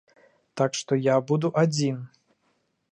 Так што я буду адзін.